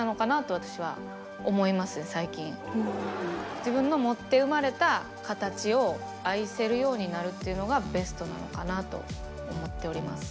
自分の持って生まれた形を愛せるようになるっていうのがベストなのかなと思っております。